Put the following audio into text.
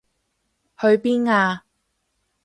去邊啊？